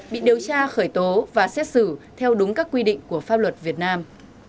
bị điều tra khởi tố và xét xử theo đúng các quy định của pháp luật việt nam